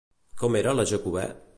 Com era la Jacobè?